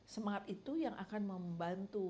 semangat itu yang akan membantu